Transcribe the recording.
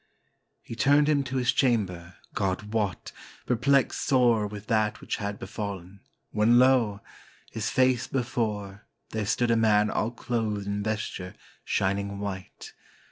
He turned him to his chamber, God wot! perplexed sore With that which had befallen — when lo ! his face be fore, There stood a man all clothed in vesture shining white.